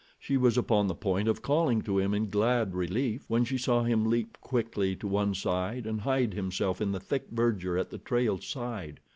She was upon the point of calling to him in glad relief when she saw him leap quickly to one side and hide himself in the thick verdure at the trail's side.